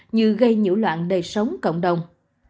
như gây nhũ loạn đời sống cộng đồng